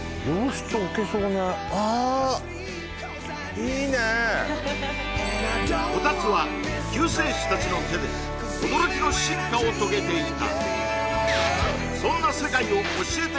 はいえーっあっこたつは救世主達の手で驚きの進化を遂げていた